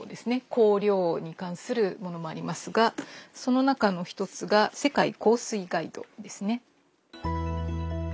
香料に関するものもありますがその中の一つが「世界香水ガイド」ですね。